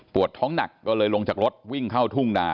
ท้องหนักก็เลยลงจากรถวิ่งเข้าทุ่งนา